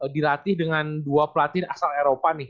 dilatih dengan dua pelatih asal eropa nih